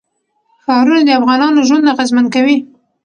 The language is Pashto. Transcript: ښارونه د افغانانو ژوند اغېزمن کوي.